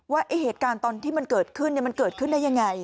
ว่าเหตุการณ์ตอนที่มันเกิดขึ้นมันเกิดขึ้นได้ยังไง